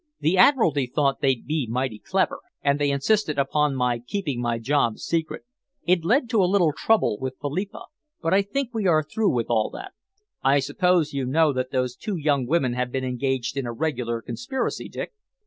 The Admiralty thought they'd be mighty clever, and they insisted upon my keeping my job secret. It led to a little trouble with Philippa, but I think we are through with all that. I suppose you know that those two young women have been engaged in a regular conspiracy, Dick?"